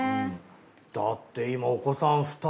だって今お子さん２人。